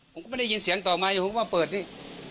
ผมก็ไม่ได้ยินเสียงต่อมาอยู่ผมก็มาเปิดนี่